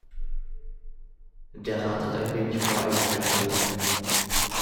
Der Rat hat ein wenig voreilig gehandelt.